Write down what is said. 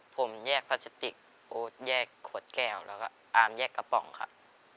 ผมแยกพลาสติกโอ๊ตแยกขวดแก้วแล้วก็อาร์มแยกกระป๋องครับ